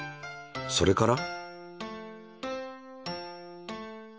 それから？